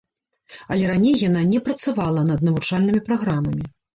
Але раней яна не працавала над навучальнымі праграмамі.